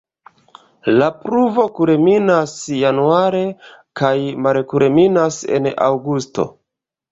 La pluvo kulminas januare kaj malkulminas en aŭgusto.